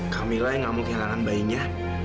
kamilah yang gak mau kehilangan bayinya